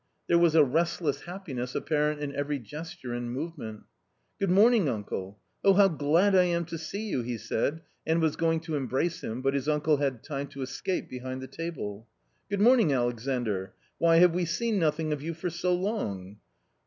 There was a restless happiness apparent in every gesture and movement. " Good morning, uncle; oh, how glad I am to see you !" he said, and was going to embrace him, but his uncle had time to escape behind the table. " Good morning, Alexandr ! Why have we seen nothing of you for so long